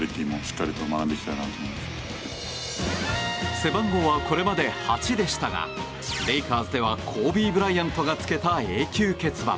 背番号はこれまで８でしたがレイカーズではコービー・ブライアントが着けた永久欠番。